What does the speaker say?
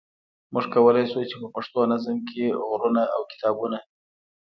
موږ کولای شو چې په پښتو نظم کې غرونه او کتابونه.